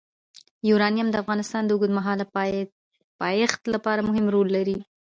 یورانیم د افغانستان د اوږدمهاله پایښت لپاره مهم رول لري.